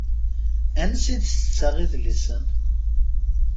Ansi i d-tettaɣ idlisen?